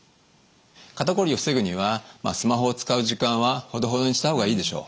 肩こりを防ぐにはスマホを使う時間はほどほどにした方がいいでしょう。